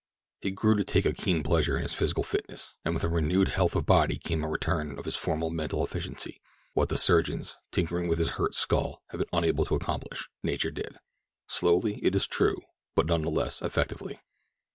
He grew to take a keen pleasure in his physical fitness, and with renewed health of body came a return of his former mental efficiency—what the surgeons, tinkering with his hurt skull, had been unable to accomplish, nature did; slowly, it is true, but none the less effectively.